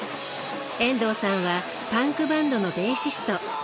遠藤さんはパンクバンドのベーシスト。